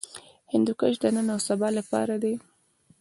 هندوکش د نن او سبا لپاره دی.